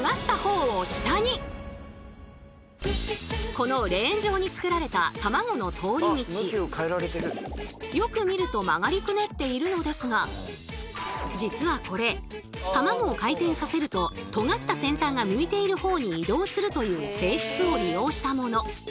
このレーン上に作られたたまごの通り道よく見ると曲がりくねっているのですが実はこれたまごを回転させるととがった先端が向いているほうに移動するという性質を利用したもの。